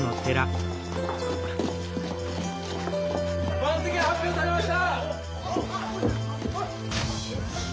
番付が発表されました！